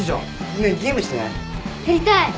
ねえゲームしない？やりたい。